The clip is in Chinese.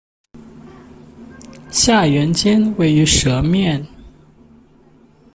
下原尖位于舌面。